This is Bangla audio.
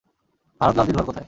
ভারত লালজির ঘর কোথায়?